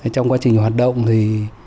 trong quá trình hoạt động thì